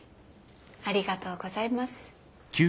ありがとうございます。